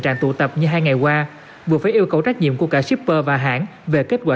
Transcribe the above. trạng tụ tập như hai ngày qua buộc phải yêu cầu trách nhiệm của cả shipper và hãng về kết quả